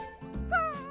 ふん！